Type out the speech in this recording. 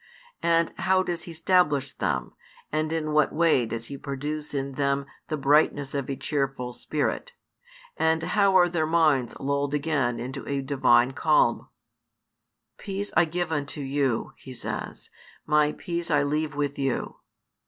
And how does He stablish them, and in what way does He produce in them the brightness of a cheerful spirit, and how are their minds lulled again into a Divine calm? Peace I give unto you, He says, My peace I leave with you.